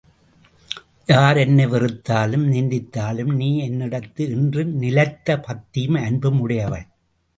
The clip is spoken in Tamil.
யார் என்னை வெறுத்தாலும், நிந்தித்தாலும் நீ என்னிடத்து என்றும் நிலைத்த பத்தியும் அன்பும் உடையவள்.